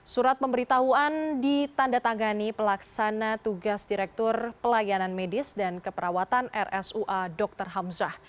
surat pemberitahuan ditanda tangani pelaksana tugas direktur pelayanan medis dan keperawatan rsua dr hamzah